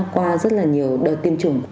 qua rất là nhiều đợt tiêm chủng